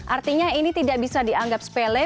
artinya ini tidak bisa dianggap sepele